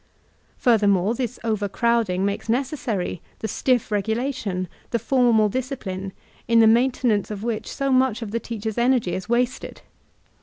Furthermore, this overcrowding makes necessary the stiff rq^lation, the formal discipline, in the maintenance of which so mudi of the teacher's eneigy is wasted.